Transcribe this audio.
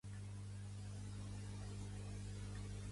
L'arbre del catxú es propaga mitjançant les llavors.